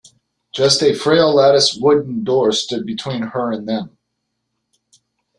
Just a frail latticed wooden door stood between her and them.